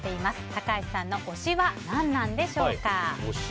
高橋さんの推しは何なんでしょうか。